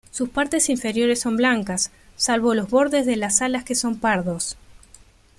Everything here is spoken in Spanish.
Sus partes inferiores son blancas, salvo los bordes de las alas que son pardos.